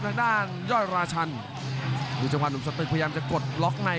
ด้านย่อยราชันดูจังหวะหนุ่มสตึกพยายามจะกดล็อกใน